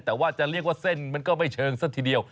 แต่ว่าจะเรียกว่าเส้นมันก็ไม่เชิงซะทีเดียว